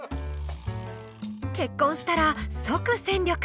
結婚したら即戦力？